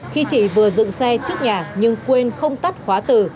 khi chị vừa dựng xe trước nhà nhưng quên không tắt khóa từ